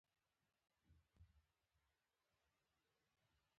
د کور تودوخه د مینې له امله وي.